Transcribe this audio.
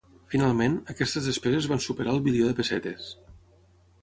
Finalment, aquestes despeses van superar el bilió de pessetes.